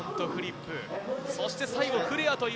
そして最後、フレア。